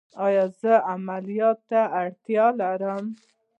ایا زه عملیات ته اړتیا لرم؟